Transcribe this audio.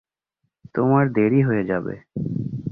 তোমার দেরি হয়ে যাবে।